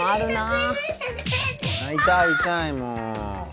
痛い痛いもう。